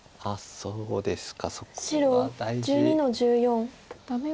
そうですね